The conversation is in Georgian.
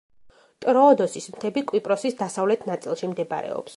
ტროოდოსის მთები კვიპროსის დასავლეთ ნაწილში მდებარეობს.